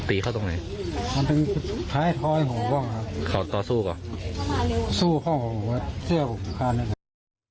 อีกทำให้เกิดทานเอง